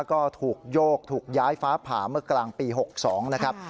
ก็ถูกโยกถูกย้ายฟ้าผ่าเมื่อกลางปี๖๒นะครับ